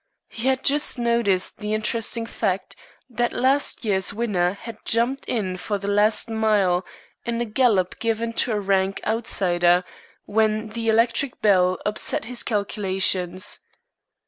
He had just noticed the interesting fact that last year's winner had "jumped in for the last mile" in a gallop given to a rank outsider, when the electric bell upset his calculations.